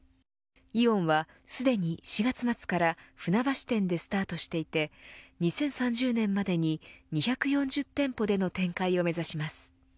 イオンはすでに４月末から船橋店でスタートしていて２０３０年までに２４０店舗での展開を目指します。